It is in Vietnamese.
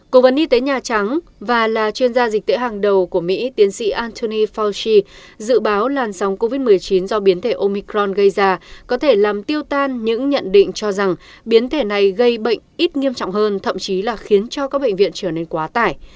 cố vấn y tế nhà trắng và là chuyên gia dịch tễ hàng đầu của mỹ tiến sĩ antony fauchi dự báo làn sóng covid một mươi chín do biến thể omicron gây ra có thể làm tiêu tan những nhận định cho rằng biến thể này gây bệnh ít nghiêm trọng hơn thậm chí là khiến cho các bệnh viện trở nên quá tải